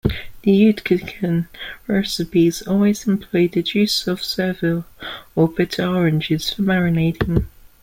The Yucatecan recipes always employ the juice of Seville or bitter oranges for marinating.